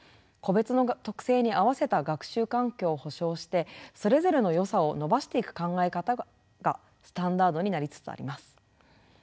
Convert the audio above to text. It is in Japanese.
個別の特性に合わせた学習環境を保障してそれぞれのよさを伸ばしていく考え方がスタンダードになりつつあります。